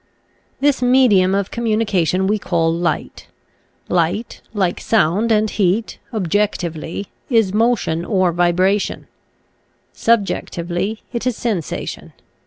This medium of communication we call light. Light, like sound and heat, objectively, is motion or vibration ; subjectively, it is sen sation.